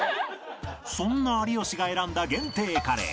そんな有吉が選んだ限定カレー